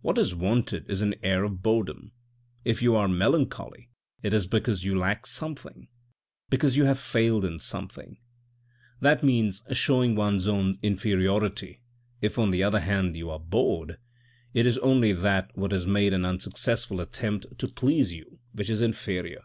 What is wanted is an air of boredom. If you are melancholy, it is because you lack something, because you have failed in something." STRASBOURG 403 " That means showing one's own inferiority ; if, on the other hand you are bored, it is only what has made an unsuccessful attempt to please you, which is inferior.